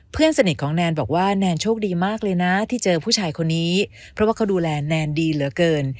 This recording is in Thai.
เพื่อนสนิทของแนนบอกว่าแนนโชคดีมากเลยนะที่เจอผู้ชายคนนี้เพราะว่าเขาดูแลแนนดีเหลือเกิน